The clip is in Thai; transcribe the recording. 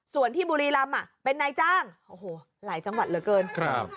ส่วนที่บุรีรำเป็นนายจ้างโอ้โหหลายจังหวัดเหลือเกินครับ